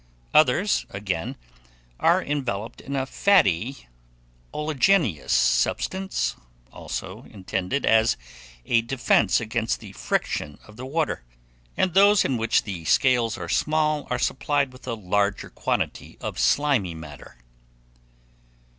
Others, again, are enveloped in a fatty, oleaginous substance, also intended as a defence against the friction of the water; and those in which the scales are small, are supplied with a larger quantity of slimy matter.